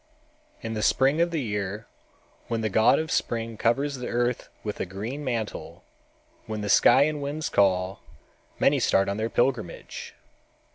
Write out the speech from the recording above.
In the spring of the year, when the god of spring covers the earth with a green mantle, when the sky and winds call, many start on their pilgrimage.